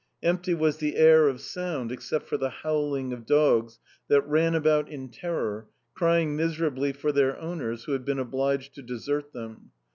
Empty was the air of sound except for the howling of dogs that ran about in terror, crying miserably for their owners who had been obliged to desert them.